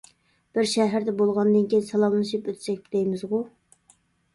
بىر شەھەردە بولغاندىن كېيىن سالاملىشىپ ئۆتسەك دەيمىزغۇ.